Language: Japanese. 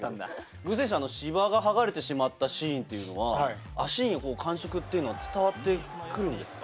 具選手、芝が剥がれてしまったシーンというのは足に感触というのは伝わってくるんですか？